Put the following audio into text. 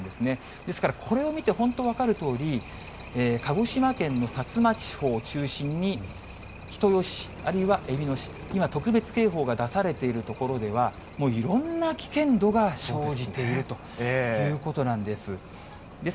ですから、これを見て本当に分かるとおり、鹿児島県の薩摩地方を中心に、人吉市、あるいはえびの市、今、特別警報が出されている所では、もういろんな危険度が生じているということなんです。